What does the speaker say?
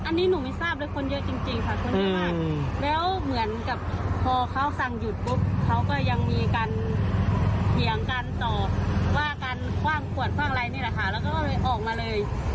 อันนี้หนูไม่ทราบเลยคนเยอะจริงค่ะคนเยอะมากแล้วเหมือนกับพอเขาสั่งหยุดปุ๊บเขาก็ยังมีการเถียงกันต่อว่าการคว่างขวดคว่างอะไรนี่แหละค่ะแล้วก็เลยออกมาเลย